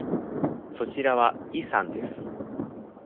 そちらはイさんです。